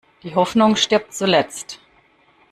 Die Hoffnung stirbt zuletzt.